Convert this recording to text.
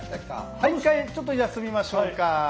はい一回ちょっと休みましょうか。